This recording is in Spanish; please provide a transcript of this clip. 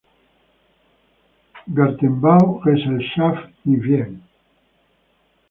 Gartenbau-Gesellschaft in Wien".